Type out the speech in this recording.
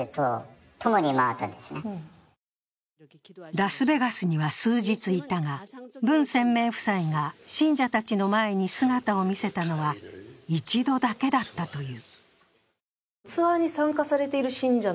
ラスベガスには数日いたが文鮮明夫妻が信者たちの前に姿を見せたのは１度だけだったという。